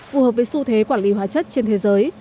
phù hợp với xu thế quản lý hóa chất trên thế giới